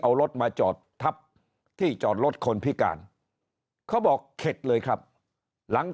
เอารถมาจอดทับที่จอดรถคนพิการเขาบอกเข็ดเลยครับหลัง